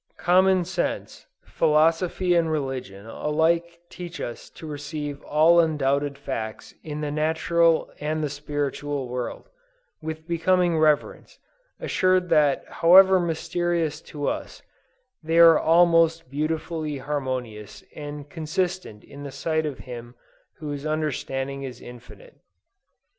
Common sense, philosophy and religion alike teach us to receive all undoubted facts in the natural and the spiritual world, with becoming reverence; assured that however mysterious to us, they are all most beautifully harmonious and consistent in the sight of Him whose "understanding is infinite."